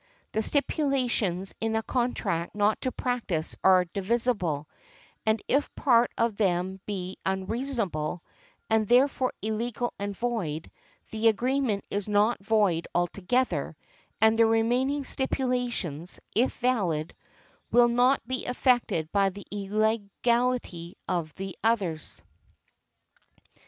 The stipulations in a contract not to practise are divisible, and if part of them be unreasonable, and therefore illegal and void, the agreement is not void altogether; and the remaining stipulations, if valid, will not be affected by the illegality of the others .